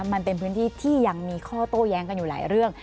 มันเป็นพื้นที่ที่ยังมีข้อโต้แย้งกันอยู่หลายเรื่อง